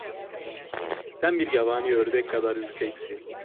Sen bir yabani ördek kadar ürkeksin…